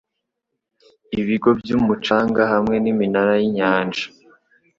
Ibigo byumucanga hamwe niminara yinyanja